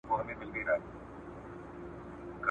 پر تندي مي سجده نسته له انکار سره مي ژوند دی ..